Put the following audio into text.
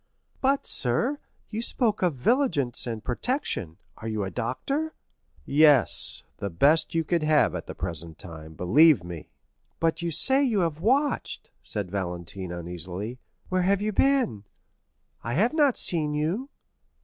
"But, sir, you spoke of vigilance and protection. Are you a doctor?" "Yes; the best you could have at the present time, believe me." "But you say you have watched?" said Valentine uneasily; "where have you been?—I have not seen you."